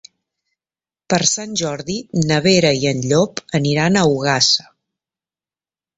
Per Sant Jordi na Vera i en Llop aniran a Ogassa.